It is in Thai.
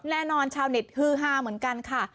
แน่นอนชาวเน็ตฮือฮาเหมือนกันค่ะ